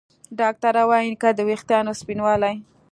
ډاکتران وايي که د ویښتانو سپینوالی